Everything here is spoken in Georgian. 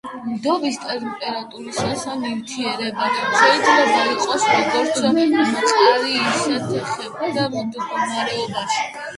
დნობის ტემპერატურისას ნივთიერება შეიძლება იყოს როგორც მყარ ისე თხევად მდგომარეობაში.